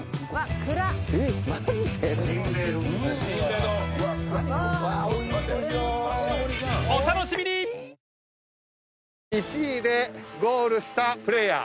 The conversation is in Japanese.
あなたも１位でゴールしたプレーヤー